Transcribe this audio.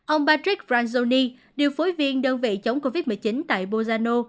ông patrick branzoni điều phối viên đơn vị chống covid một mươi chín tại bozano